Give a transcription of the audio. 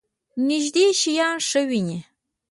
نږدې شیان ښه وینئ؟